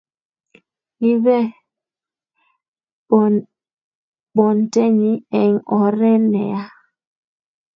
kimee bontenyi eng oree ne ya